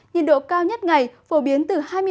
nhiệt độ cao nhất ngày phổ biến từ hai mươi ba